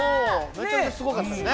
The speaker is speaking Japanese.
めちゃめちゃすごかったよね。